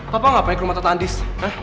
papa nggak pengen ke rumah tante andis